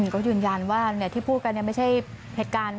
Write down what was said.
ก็ยืนยันว่าที่พูดกันไม่ใช่เหตุการณ์